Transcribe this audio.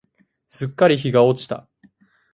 すっかり日が落ちた。